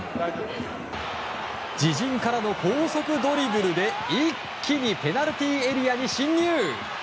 自陣からの高速ドリブルで一気にペナルティーエリアに進入。